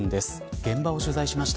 現場を取材しました。